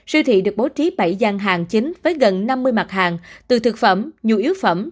siêu thị được bố trí bảy gian hàng chính với gần năm mươi mặt hàng từ thực phẩm nhu yếu phẩm